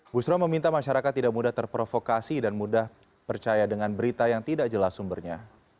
busro meminta masyarakat tidak mudah terprovokasi dan mudah percaya dengan berita yang tidak jelas sumbernya